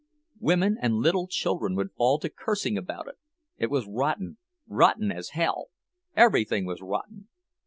Women and little children would fall to cursing about it; it was rotten, rotten as hell—everything was rotten.